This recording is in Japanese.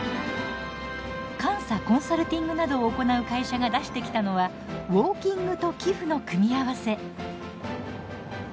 監査・コンサルティングなどを行う会社が出してきたのはウォーキングと寄付の組み合わせ。